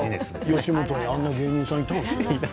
吉本にあんな芸人さんがいたかな。